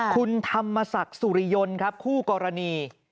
คุณธรรมศักดิ์สุริยนต์ครับคู่กรณี